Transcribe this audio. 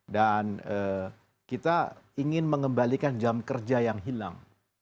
dan kita ingin mengembalikan jam kerja yang hilang